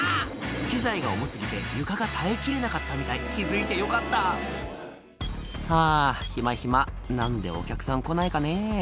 機材が重過ぎて床が耐えきれなかったみたい気付いてよかった「はぁ暇暇何でお客さん来ないかねぇ」